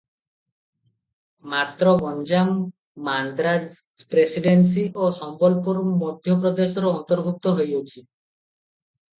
ମାତ୍ର ଗଞ୍ଜାମ ମାନ୍ଦ୍ରାଜ ପ୍ରେସିଡେନ୍ସି ଓ ସମ୍ବଲପୁର ମଧ୍ୟପ୍ରଦେଶର ଅନ୍ତର୍ଭୂତ ହୋଇଅଛି ।